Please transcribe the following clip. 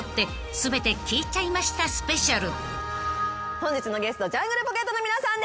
本日のゲストジャングルポケットの皆さんです。